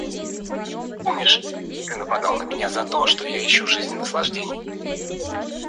Помнишь, ты нападал на меня за то, что я ищу в жизни наслаждений?